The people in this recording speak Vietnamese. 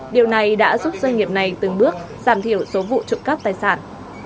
điều này đã giúp doanh nghiệp này từng bước giảm thiểu số vụ trộm cắp tài sản